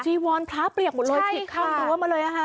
จีวอนพระเปียกหมดเลยฉีดความตัวมาเลยอะค่ะ